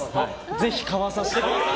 ぜひ、買わさせてください。